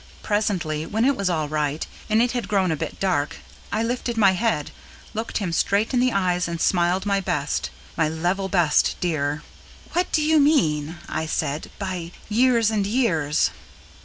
Presently, when it was all right, and it had grown a bit dark, I lifted my head, looked him straight in the eyes, and smiled my best my level best, dear. "What do you mean," I said, "by 'years and years'?"